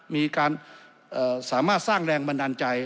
มีการสามารถสร้างแรงบันดาลใจ